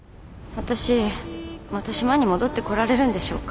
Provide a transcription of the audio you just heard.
わたしまた島に戻って来られるんでしょうか？